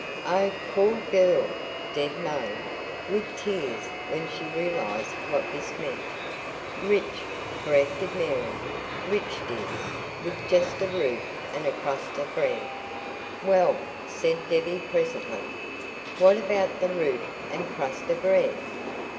"Oh, POOR girl!" Deb moaned, with tears, when she realised what this meant. "Rich," corrected Mary "rich, dear, with just a roof and a crust of bread." "Well," said Deb presently, "what about that roof and crust of bread?